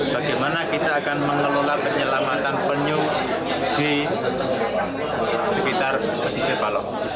bagaimana kita akan mengelola penyelamatan penyu di sekitar pesisir paloh